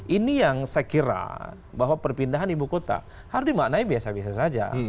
ini yang saya kira bahwa perpindahan ibu kota harus dimaknai biasa biasa saja